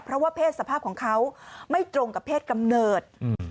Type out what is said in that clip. เพราะว่าเพศสภาพของเขาไม่ตรงกับเพศกำเนิด